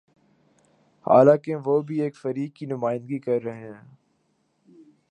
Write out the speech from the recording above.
حالانکہ وہ بھی ایک فریق کی نمائندگی کر رہے ہیں۔